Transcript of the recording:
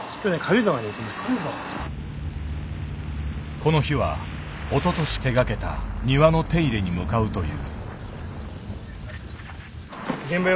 この日はおととし手がけた庭の手入れに向かうという。